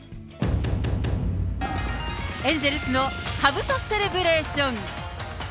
エンゼルスのかぶとセレブレーション。